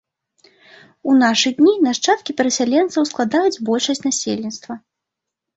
У нашы дні нашчадкі перасяленцаў складаюць большасць насельніцтва.